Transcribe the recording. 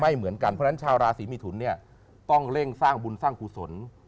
เหมือนกันเพราะฉะนั้นชาวราศีมิถุนเนี่ยต้องเร่งสร้างบุญสร้างกุศล